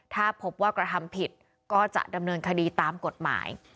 ถ้าพบว่ากระทำผิดก็จะดำเนินคดีตามกฎหมาย